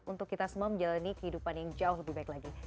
untuk kita semua menjalani kehidupan yang jauh lebih baik lagi